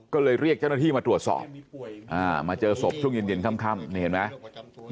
ก็เลยเรียกเจ้าหน้าที่มาตรวจสอบมาเจอศพช่วงเย็นค่ำนี่เห็นไหม